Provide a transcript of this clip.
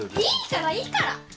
いいからいいから。